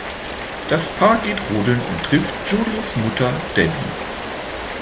Das Paar geht rodeln und trifft Julies Mutter Debbie.